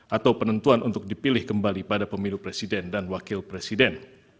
atau penentuan untuk dipilih kembali pada pemilu presiden dan wakil presiden